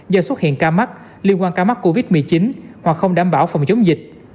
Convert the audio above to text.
do xuất hiện ca mắc liên quan ca mắc covid một mươi chín hoặc không đảm bảo phòng chống dịch